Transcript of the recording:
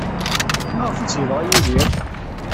Maɣef ay tt-yebɣa Yidir?